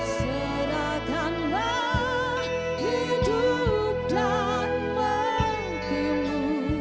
serahkanlah hidup dan mentimu